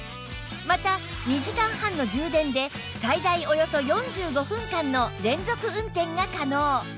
また２時間半の充電で最大およそ４５分間の連続運転が可能